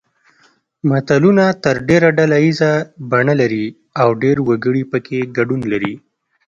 متلونه تر ډېره ډله ییزه بڼه لري او ډېر وګړي پکې ګډون لري